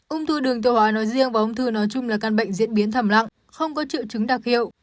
ung thư đường tiêu hóa nói riêng và ung thư nói chung là căn bệnh diễn biến thầm lặng không có triệu chứng đặc hiệu